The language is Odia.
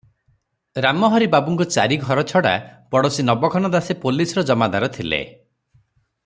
ରାମହରି ବାବୁଙ୍କ ଚାରି ଘର ଛଡ଼ା ପଡ଼ୋଶୀ ନବଘନ ଦାସେ ପୋଲିସର ଜମାଦାର ଥିଲେ ।